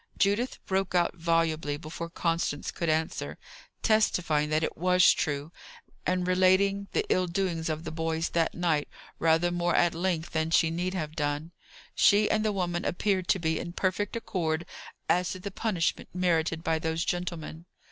Judith broke out volubly before Constance could answer, testifying that it was true, and relating the ill doings of the boys that night rather more at length than she need have done. She and the woman appeared to be in perfect accord as to the punishment merited by those gentlemen.